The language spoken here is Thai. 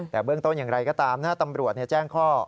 แต่เบื้องต้นอย่างไรก็ตามตำรวจแจ้งข้อ